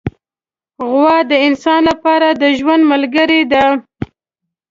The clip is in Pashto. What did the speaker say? غوا د انسان لپاره د ژوند ملګرې ده.